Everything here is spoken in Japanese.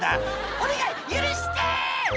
「お願い許して！」